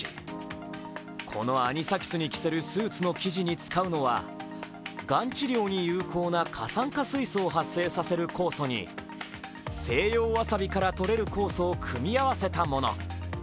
このアニサキスに着せるスーツの生地に使うのは、がん治療に有効な過酸化水素を発生させる酵素に西洋わさびからとれる酵素を組み合わせたもの。